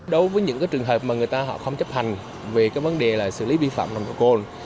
đối với những cái trường hợp mà người ta họ không chấp hành về cái vấn đề là xử lý vi phạm nồng độ cồn